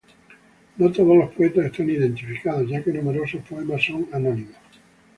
No todos los poetas están identificados, ya que numerosos poemas son anónimos.